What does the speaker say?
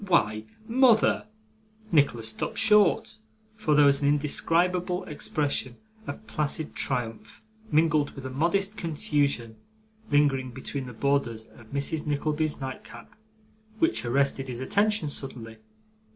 Why, mother ' Nicholas stopped short; for there was an indescribable expression of placid triumph, mingled with a modest confusion, lingering between the borders of Mrs. Nickleby's nightcap, which arrested his attention suddenly.